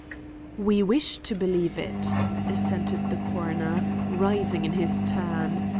"We wish to believe it," assented the coroner, rising in his turn.